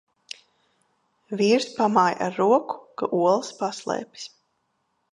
Vīrs pamāj ar roku, ka olas paslēpis.